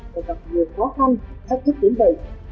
và gặp nhiều khó khăn thách thức đến đầy